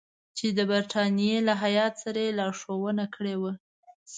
چې د برټانیې له هیات سره یې لارښوونه کړې وه.